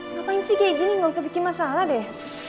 ngapain sih kayak gini gak usah bikin masalah deh